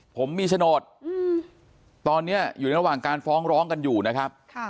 ผมมีโฉนดตอนนี้อยู่ระหว่างการฟ้องร้องกันอยู่นะครับ